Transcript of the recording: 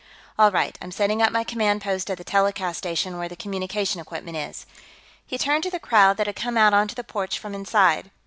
"All right. I'm setting up my command post at the telecast station, where the communication equipment is." He turned to the crowd that had come out onto the porch from inside.